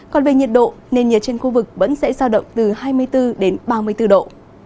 còn về nhiệt độ nền nhiệt trên khu vực vẫn sẽ giao động từ hai mươi bốn đến ba mươi bốn độ